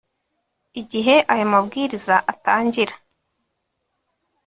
igihe aya mabwiriza atangira